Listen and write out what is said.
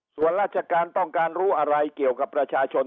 ส่วนราชการต้องการรู้อะไรเกี่ยวกับประชาชน